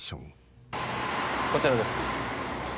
こちらです。